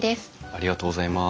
ありがとうございます。